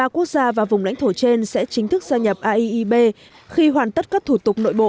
một mươi ba quốc gia và vùng lãnh thổ trên sẽ chính thức gia nhập aiib khi hoàn tất các thủ tục nội bộ